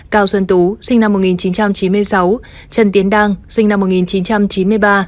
cao xuân tú sinh năm một nghìn chín trăm chín mươi sáu trần tiến đang sinh năm một nghìn chín trăm chín mươi ba